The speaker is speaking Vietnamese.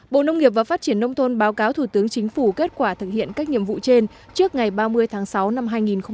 bộ nông nghiệp và phát triển nông thôn báo cáo thủ tướng chính phủ kết quả thực hiện các nhiệm vụ trên trước ngày ba mươi tháng sáu năm hai nghìn một mươi chín